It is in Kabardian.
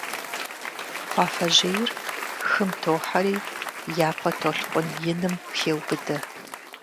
Кхъуафэжьейр хым тохьэри, япэ толъкъун иным хеубыдэ.